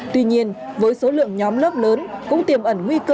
tuy nhiên với số lượng nhóm lớp lớn cũng tiềm ẩn nguy cơ mất an toàn